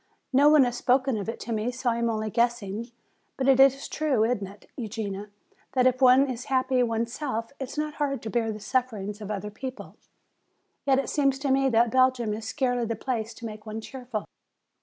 No one has spoken of it to me so I am only guessing. But it is true, isn't it, Eugenia, that if one is happy oneself, it is not hard to bear the sufferings of other people? Yet it seems to me that Belgium is scarcely the place to make one cheerful."